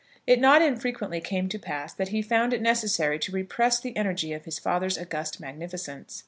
It not unfrequently came to pass that he found it necessary to repress the energy of his father's august magnificence.